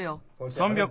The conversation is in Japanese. ３００